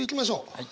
はい。